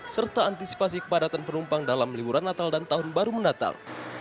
serta antisipasi kepadatan penumpang dalam liburan natal dan tahun baru mendatang